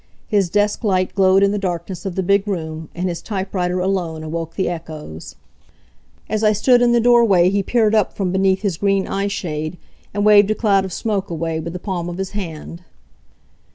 His desk light glowed in the darkness of the big room, and his typewriter alone awoke the echoes. As I stood in the doorway he peered up from beneath his green eye shade, and waved a cloud of smoke away with the palm of his hand.